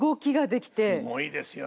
すごいですよね。